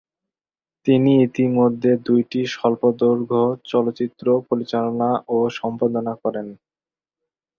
তিনি ইতোপূর্বে দুটি স্বল্পদৈর্ঘ্য চলচ্চিত্র পরিচালনা ও সম্পাদনা করেন।